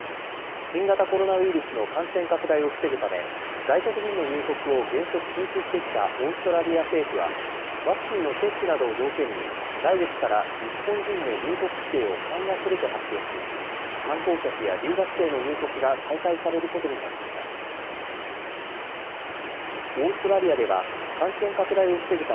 新型コロナウイルスの感染拡大を防ぐため外国人の入国を原則禁止してきたオーストラリア政府はワクチンの接種などを条件に来月から日本人の入国規制を緩和すると発表し観光客や留学生の入国が再開されることになりました。